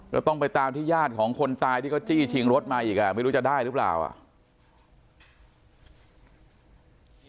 ก็ต้องไปตามที่ญาติของคนตายที่เขาจี้ชิงรถมาอีกอ่ะไม่รู้จะได้หรือเปล่าอ่ะ